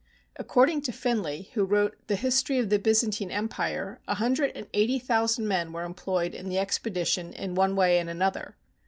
According to Finlay, who wrote the " History of the Byzantine Empire," a hundred and eighty thousand men were employed in the expedition in one way and another.